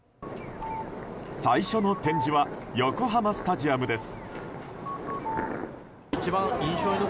最初の展示は横浜スタジアムです。